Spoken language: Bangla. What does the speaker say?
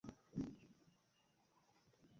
সুন্দর পোশাক পরলে মনে ফুর্তি আসে, তাই না?